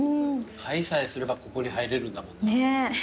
買いさえすればここに入れるんだもんな。